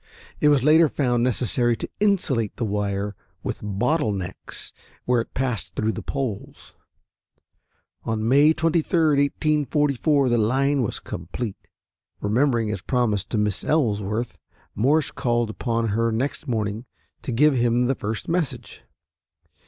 It was later found necessary to insulate the wire with bottle necks where it passed through the poles. On May 23, 1844, the line was complete. Remembering his promise to Miss Ellsworth, Morse called upon her next morning to give him the first message.